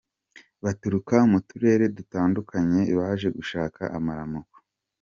Baturuka mu turere dutandukanye baje gushaka amaramuko.